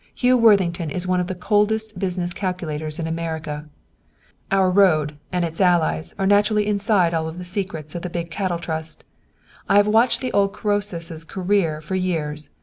"Hugh Worthington is one of the coldest business calculators in America." "Our road and its allies are naturally inside of all the secrets of the big cattle trust. I have watched the old Croesus' career for years.